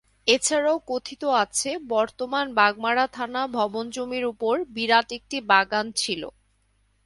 এছাড়াও কথিত আছে বর্তমান বাগমারা থানা ভবন জমির উপর বিরাট একটি বাগান ছিল।